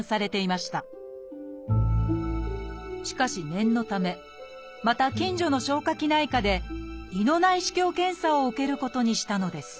しかし念のためまた近所の消化器内科で胃の内視鏡検査を受けることにしたのです。